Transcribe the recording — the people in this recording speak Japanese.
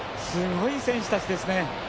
すごい選手たちですね。